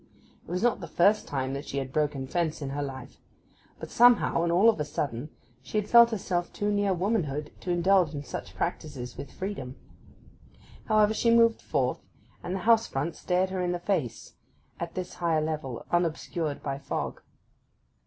It was not the first time that she had broken fence in her life; but somehow, and all of a sudden, she had felt herself too near womanhood to indulge in such practices with freedom. However, she moved forth, and the house front stared her in the face, at this higher level unobscured by fog.